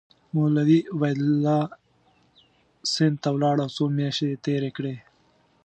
مولوي عبیدالله سند ته ولاړ او څو میاشتې یې تېرې کړې.